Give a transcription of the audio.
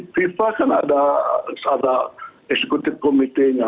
fifa kan ada seadal eksekutif komitinya